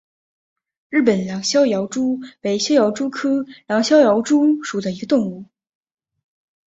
日本狼逍遥蛛为逍遥蛛科狼逍遥蛛属的动物。